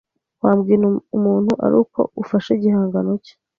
wabwira umuntu ari uko ufashe igihangano cye